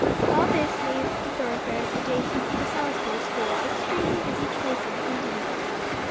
All this made the thoroughfares adjacent to the "Salisbury School" extremely busy places indeed.